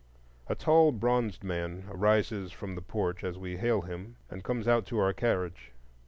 A tall bronzed man rises from the porch as we hail him, and comes out to our carriage.